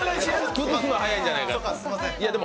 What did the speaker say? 崩すのが早いんじゃないかと。